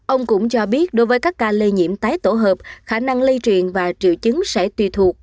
ông cũng cho biết đối với các ca lây nhiễm tái tổ hợp khả năng lây truyền và triệu chứng sẽ tùy thuộc